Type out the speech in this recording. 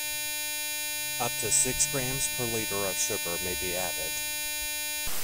Up to six grams per litre of sugar may be added.